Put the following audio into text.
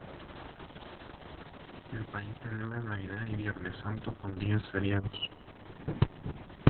El país celebra Navidad y Viernes Santo con días feriados.